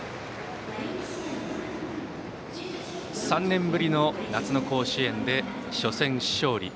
３年ぶりの夏の甲子園で初戦、勝利。